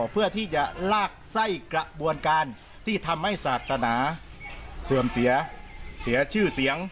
เพื่อที่จะลากไส้กระบวนการที่ทำให้ศาสนาเสื่อมเสียชื่อเสียง